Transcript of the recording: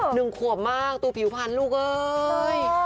หนึ่งขวบมากดูผิวพันธุ์ลูกเอ้ย